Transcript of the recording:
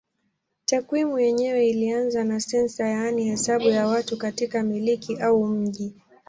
Takwimu yenyewe ilianza na sensa yaani hesabu ya watu katika milki au mji.